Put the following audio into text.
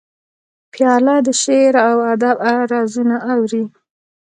پیاله د شعرو او ادب رازونه اوري.